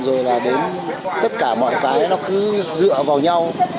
rồi là đến tất cả mọi cái nó cứ dựa vào nhau